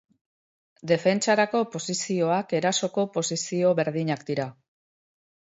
Defentsarako posizioak erasoko posizio berdinak dira.